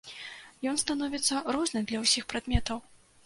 Ён становіцца розны для ўсіх прадметаў.